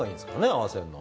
合わせるのは。